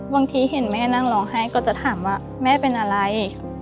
เห็นแม่นั่งร้องไห้ก็จะถามว่าแม่เป็นอะไร